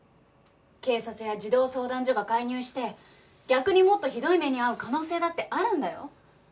警察や児童相談所が介入して逆にもっとひどい目に遭う可能性だってあるんだよ。